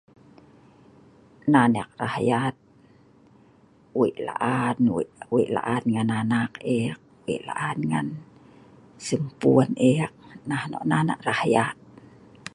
nan eek rah yatt, wei' la'an, wei' la'an ngan anak eek, wei' la'an ngan sempuen eek, nah nok nan eek rah yatt